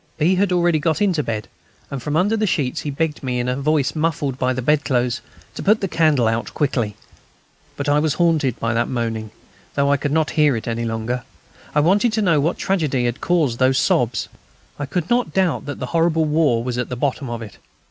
B. had already got into bed, and, from under the sheets, he begged me, in a voice muffled by the bed clothes, to put the candle out quickly. But I was haunted by that moaning, though I could not hear it any longer. I wanted to know what tragedy had caused those sobs. I could not doubt that the horrible war was at the bottom of it.